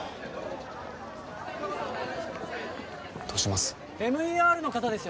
どうします？